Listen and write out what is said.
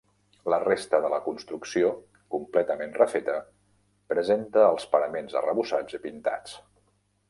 La resta de la construcció, completament refeta, presenta els paraments arrebossats i pintats.